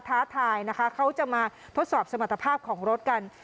ท้าทายนะคะเขาจะมาทดสอบสมรรถภาพของรถกัน